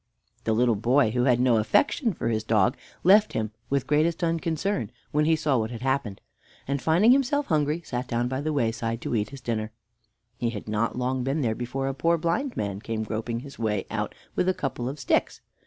The boy, who had no affection for his dog, left him with the greatest unconcern when he saw what had happened, and, finding himself hungry, sat down by the wayside to eat his dinner. He had not long been there before a poor blind man came groping his way out with a couple of sticks.